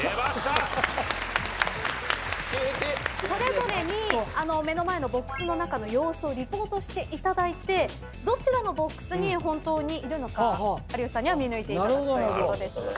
それぞれに目の前のボックスの中の様子をリポートしていただいてどちらのボックスに本当にいるのか有吉さんには見抜いていただくということです。